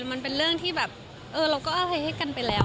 มันเป็นเรื่องที่แบบเออเราก็อะไรให้กันไปแล้ว